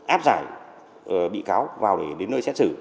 áp giải bị cáo vào để đến nơi xét xử